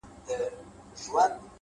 څه وکړمه لاس کي مي هيڅ څه نه وي ـ